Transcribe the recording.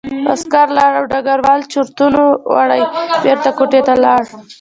عسکر لاړ او ډګروال چورتونو وړی بېرته کوټې ته لاړ